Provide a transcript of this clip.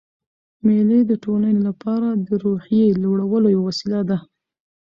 مېلې د ټولنې له پاره د روحیې لوړولو یوه وسیله ده.